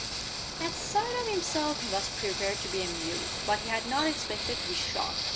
At sight of himself he was prepared to be amused, but he had not expected to be shocked!